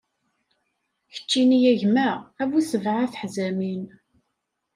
Keččini a gma, a bu sebɛa teḥzamin.